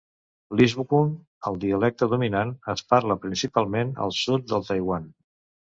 L'isbukun, el dialecte dominant, es parla principalment al sud del Taiwan.